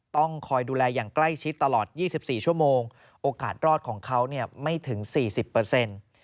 ต้องคอยดูแลอย่างใกล้ชิดตลอด๒๔ชั่วโมงโอกาสรอดของเขาเนี่ยไม่ถึงสี่สิบเปอร์เซ็นต์